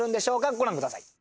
ご覧ください。